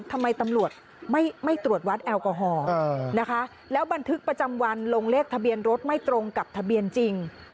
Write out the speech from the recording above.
ทำไมตำรวจไม่ตรวจวัดแอลกอฮอล์นะคะแล้วบันทึกประจำวันลงเลขทะเบียนรถไม่ตรงกับทะเบียนจริง